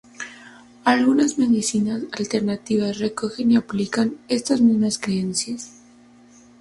Algunas medicinas alternativas recogen y aplican estas mismas creencias.